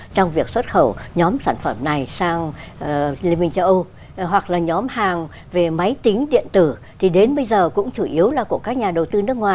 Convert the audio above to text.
trong việc xuất khẩu nhóm sản phẩm này sang liên minh châu âu hoặc là nhóm hàng về máy tính điện tử